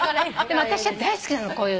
私は大好きなのこういうの。